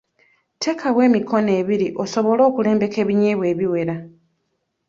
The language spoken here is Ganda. Teekawo emikono ebiri osobole okulembeka ebinyebwa ebiwera.